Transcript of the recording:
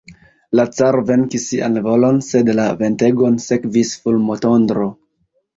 La caro venkis sian volon, sed la ventegon sekvis fulmotondro.